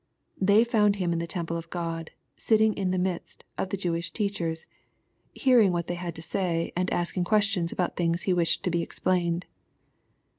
" They found him in the temple of God, — ^sitting in the midst'* of the Jewish teachers, " hearing" what they had to say, and " asking questions" about things He wished to be explained.